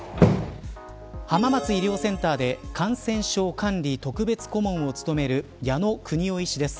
浜松医療センターで感染症管理特別顧問を務める矢野邦夫医師です。